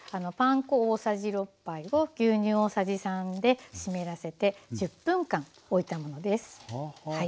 パン粉大さじ６杯を牛乳大さじ３で湿らせて１０分間おいたものです。